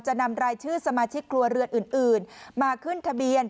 นำรายชื่อสมาชิกครัวเรือนอื่นมาขึ้นทะเบียน